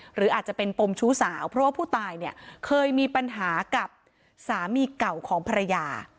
หรืออาจจะเป็นปมชู้สาวเพราะว่าผู้ตายเนี่ยเคยมีปัญหากับสามีเก่าของภรรยา